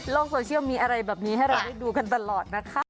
โซเชียลมีอะไรแบบนี้ให้เราได้ดูกันตลอดนะคะ